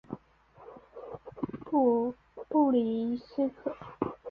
布里萨克。